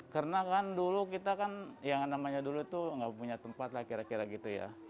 karena kan dulu kita kan yang namanya dulu tuh nggak punya tempat lah kira kira gitu ya